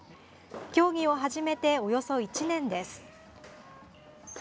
競技を始めて、およそ１年です。